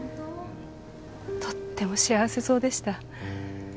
とっても幸せそうでした。